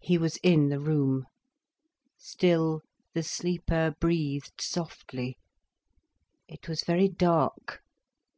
He was in the room. Still the sleeper breathed softly. It was very dark.